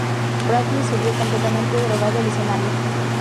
Bradley subió completamente drogado al escenario.